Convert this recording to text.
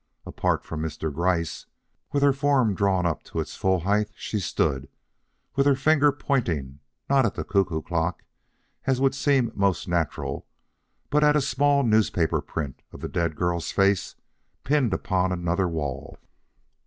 Apart from Mr. Gryce, with her form drawn up to its full height she stood, with her finger pointing not at the cuckoo clock as would seem most natural, but at a small newspaper print of the dead girl's face pinned up on another wall.